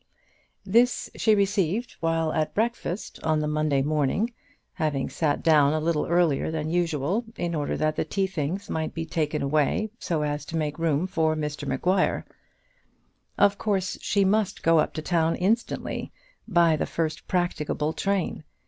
This she received while at breakfast on the Monday morning, having sat down a little earlier than usual, in order that the tea things might be taken away so as to make room for Mr Maguire. Of course she must go up to town instantly, by the first practicable train.